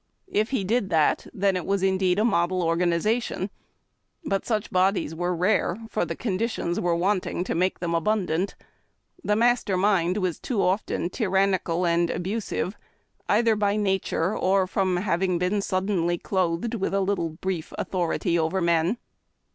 If he did that, then was it indeed a model organiza tion ; but such bodies were rare, for the conditions were wanting to make them abundant. The master mind was too often tyrannical and abusive, either by nature, or from hav ing been suddenly clothed with a little brief authority over men.